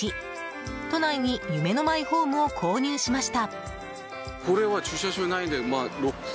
都内に夢のマイホームを購入しました。